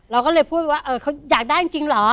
เราก็เลยพูดไปว่าเขาอยากได้จริงเหรอ